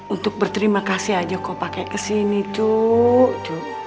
untuk berterima kasih aja kok pake kesini cuk